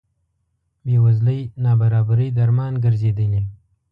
بې وزلۍ نابرابرۍ درمان ګرځېدلي.